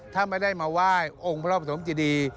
ถ้าไม่ได้มาไหว้องค์พระปฐมเจดี